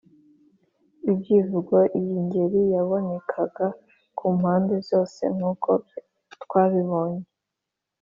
Ibyivugo: iyi ngeri yabonekaga kumpande zose nk’uko twabibonye.